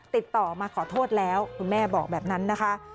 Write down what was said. ติดต่อมาขอโทษแล้วคุณแม่บอกแบบนั้นนะคะ